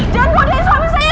jangan godein suami saya